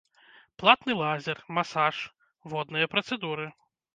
Платны лазер, масаж, водныя працэдуры.